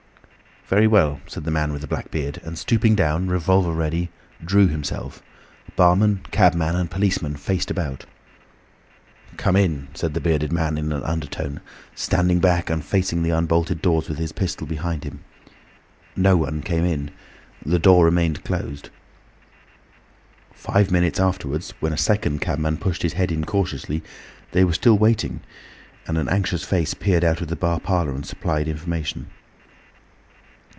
"Very well," said the man with the black beard, and stooping down, revolver ready, drew them himself. Barman, cabman, and policeman faced about. "Come in," said the bearded man in an undertone, standing back and facing the unbolted doors with his pistol behind him. No one came in, the door remained closed. Five minutes afterwards when a second cabman pushed his head in cautiously, they were still waiting, and an anxious face peered out of the bar parlour and supplied information.